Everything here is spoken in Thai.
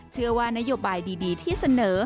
เชื่อว่านโยบายดีที่เสนอ